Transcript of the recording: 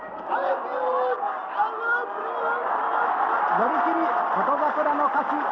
寄り切り、琴櫻の勝ち。